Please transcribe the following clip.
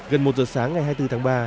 gần một giờ sáng ngày hai mươi bốn tháng ba